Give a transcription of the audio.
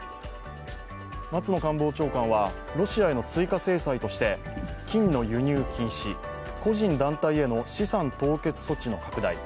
松野官房長官はロシアへの追加制裁として金の輸入禁止、個人・団体への資産凍結措置の拡大。